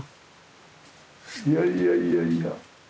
いやいやいやいや。